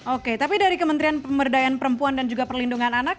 oke tapi dari kementerian pemberdayaan perempuan dan juga perlindungan anak